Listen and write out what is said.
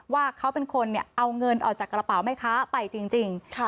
ว่าเขาเป็นคนเอาเงินออกจากกระเป๋าแม่ค้าไปจริง